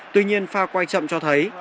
tuy nhiên pha quay chậm cho thấy